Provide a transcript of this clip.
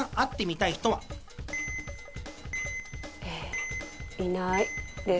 えいないです。